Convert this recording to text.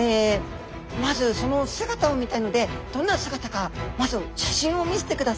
まずその姿を見たいのでどんな姿かまず写真を見せてください」。